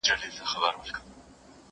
زه پرون لیکل وکړل،